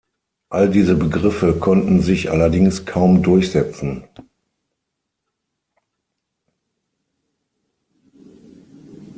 All diese Begriffe konnten sich allerdings kaum durchsetzen.